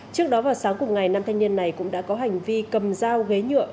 trước đó vào sáng cùng ngày năm thanh niên này cũng đã có hành vi cầm dao ghế nhựa